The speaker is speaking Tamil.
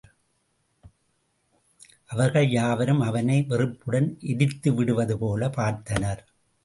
அவர்கள் யாவரும் அவனை வெறுப்புடன் எரித்துவிடுவது போலப் பார்த்தனர்.